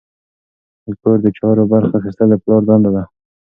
د کور د چارو برخه اخیستل د پلار دنده ده.